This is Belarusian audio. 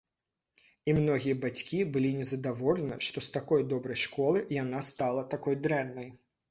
І многія бацькі былі незадаволеныя, што з такой добрай школы яна стала такой дрэннай.